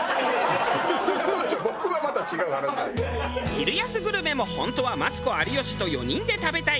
昼安グルメも本当はマツコ有吉と４人で食べたい。